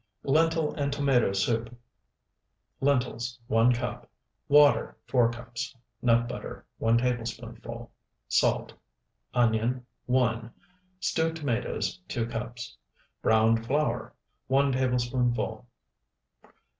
LENTIL AND TOMATO SOUP Lentils, 1 cup. Water, 4 cups. Nut butter, 1 tablespoonful. Salt. Onion, 1. Stewed tomatoes, 2 cups. Browned flour, 1 tablespoonful.